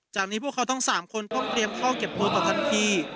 จากนี้พวกเขาทั้ง๓คนต้องเตรียมเข้าเก็บตัวต่อทันที